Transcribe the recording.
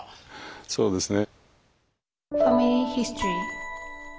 そうですね。